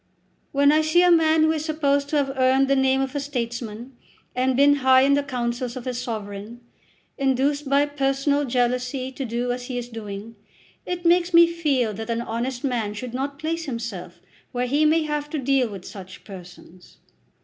"When I see a man who is supposed to have earned the name of a statesman, and been high in the councils of his sovereign, induced by personal jealousy to do as he is doing, it makes me feel that an honest man should not place himself where he may have to deal with such persons."